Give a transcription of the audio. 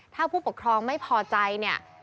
ถ้าผู้ปกครองไม่พอใจเนี่ย